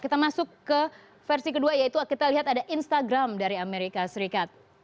kita masuk ke versi kedua yaitu kita lihat ada instagram dari amerika serikat